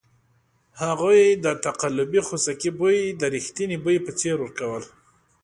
هغوی د تقلبي خوسکي بوی د ریښتني بوی په څېر ورکول.